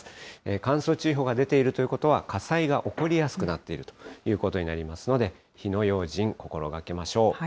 乾燥注意報が出ているということは、火災が起こりやすくなっているということになりますので、火の用心、心がけましょう。